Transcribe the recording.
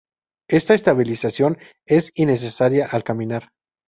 Esta estabilización es innecesaria al caminar.